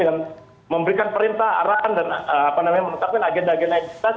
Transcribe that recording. dengan memberikan perintah arahan dan menetapkan agenda agenda yang jelas